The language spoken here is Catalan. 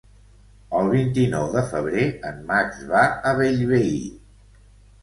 El vint-i-nou de febrer en Max va a Bellvei.